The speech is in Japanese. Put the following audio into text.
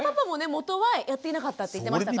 元はやっていなかったって言ってましたから。